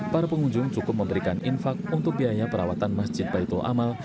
para pengunjung cukup memberikan infak untuk biaya perawatan masjid baitul amal